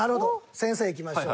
先生いきましょう。